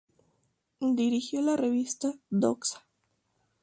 Dirigió la revista "Doxa.